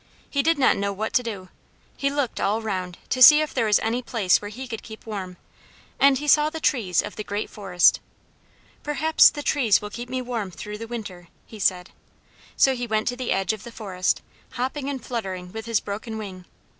He did not know what to do. He looked all round, to see if there was any place where he could keep warm. And he saw the trees of the great forest. "Perhaps the trees will keep me warm through the winter," he said. So he went to the edge of the forest, hopping and fluttering with his broken wing.